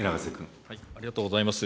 ありがとうございます。